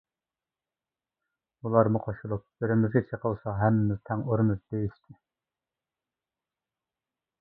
ئۇلارمۇ قوشۇلۇپ «بىرىمىزگە چېقىلسا ھەممىمىز تەڭ ئۇرىمىز! » دېيىشتى.